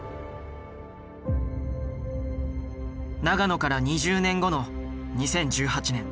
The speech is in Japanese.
長野から２０年後の２０１８年。